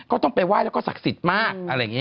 ก็ต้องไปว่ายแล้วก็ศักดิ์สิทธิ์มาก